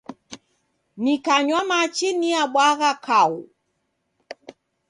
Nikanywa machi niabwagha kau.